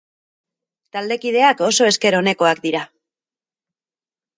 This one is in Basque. Taldekideak oso esker onekoak dira.